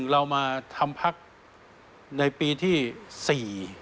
เรามาทำพักในปีที่สี่